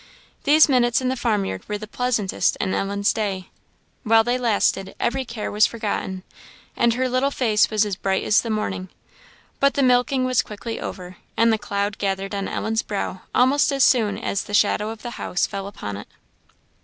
These minutes in the farm yard were the pleasantest in Ellen's day. While they lasted every care was forgotten, and her little face was as bright as the morning; but the milking was quickly over, and the cloud gathered on Ellen's brow almost as soon as the shadow of the house fell upon it.